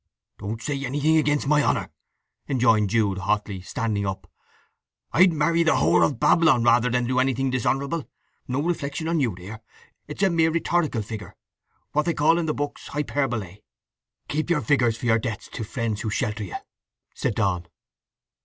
"Don't say anything against my honour!" enjoined Jude hotly, standing up. "I'd marry the W–––– of Babylon rather than do anything dishonourable! No reflection on you, my dear. It is a mere rhetorical figure—what they call in the books, hyperbole." "Keep your figures for your debts to friends who shelter you," said Donn.